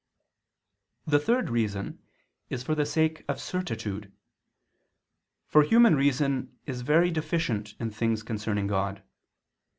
The third reason is for the sake of certitude. For human reason is very deficient in things concerning God.